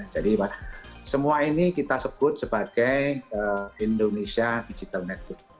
jadi semua ini kita sebut sebagai indonesia digital network